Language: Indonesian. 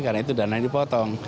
karena itu dana dipotong